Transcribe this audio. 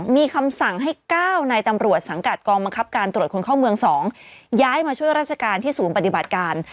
มีคำสั่งให้๙นายตำรวจสังกัดกองบังคับการตรวจคนเข้าเมือง๒ย้ายมาช่วยราชการที่ศูนย์ปฏิบัติการ